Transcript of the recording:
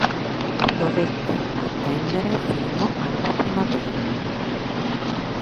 Dovettero attendere fino alla primavera.